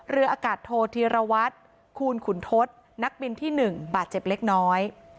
เรืออากาศโทธีรวัตรคูณขุนทศนักบินที่๑บาดเจ็บเล็กน้อย